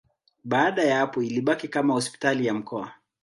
Baada ya hapo ilibaki kama hospitali ya mkoa.